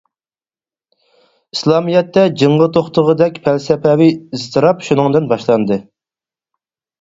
ئىسلامىيەتتە جىڭغا توختىغۇدەك پەلسەپىۋى ئىزتىراپ شۇنىڭدىن باشلاندى.